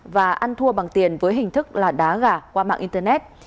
và ăn thua bằng tiền với hình thức là đá gà qua mạng internet